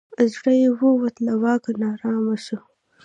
زړه یې ووتی له واکه نا آرام سو